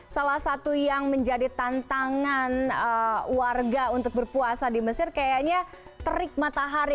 salah satu yang menjadi tantangan warga untuk berpuasa di mesir kayaknya terik matahari